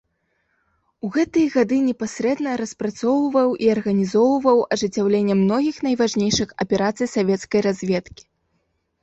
У гэтыя гады непасрэдна распрацоўваў і арганізоўваў ажыццяўленне многіх найважнейшых аперацый савецкай разведкі.